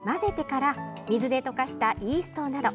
粉類を先に入れて混ぜてから水で溶かしたイーストなど。